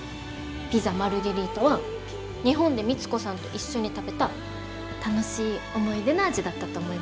ピザ・マルゲリータは日本で光子さんと一緒に食べた楽しい思い出の味だったと思いますよ。